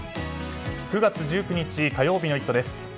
９月１９日、火曜日の「イット！」です。